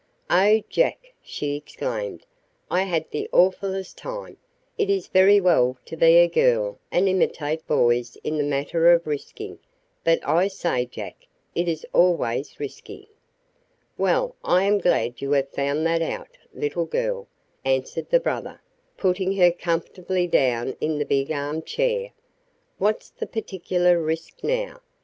"Oh, Jack," she exclaimed, "I had the awfullest time! It is very well to be a girl and imitate boys in the matter of risking; but I say, Jack, it is always risky." "Well, I am glad you have found that out, little girl," answered the brother, putting her comfortably down in the big armchair. "What's the particular risk now?